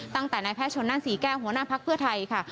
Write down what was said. ตั้งแต่นายแพทย์ชนนั่นศรีแก้วหัวหน้าภักดิ์เพื่อไทยค่ะ